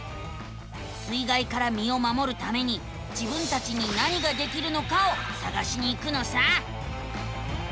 水がいからみをまもるために自分たちに何ができるのかをさがしに行くのさ。